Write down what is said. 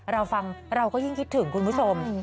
เราฟังเราก็ยิ่งคิดถึงคุณผู้ชม